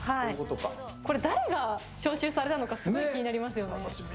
これ、誰が招集されたのかすごい気になりますよね。